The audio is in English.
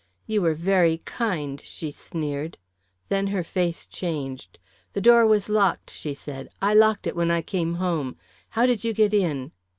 "You were very kind!" she sneered; then her face changed. "The door was locked," she said. "I locked it when I came home. How did you get in?"